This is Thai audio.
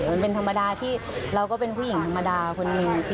มันเป็นธรรมดาที่เราก็เป็นผู้หญิงธรรมดาคนนึง